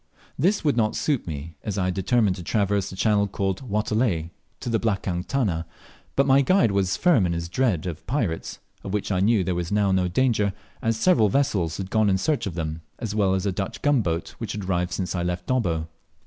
This world not suit me, as I had determined to traverse the channel called Watelai to the "blakang tana;" but my guide was firm in his dread of pirates, of which I knew there was now no danger, as several vessels had gone in search of them, as well as a Dutch gunboat which had arrived since I left Dobbo.